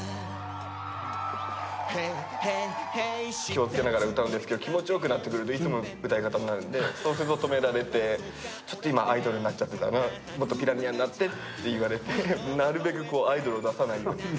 気をつけながら歌うんですけど、気持ちよくなってくるといつもの歌い方になるんで、そうすると止められて、ちょっと今アイドルになっちゃってたな、もっとピラニアになってと言われて。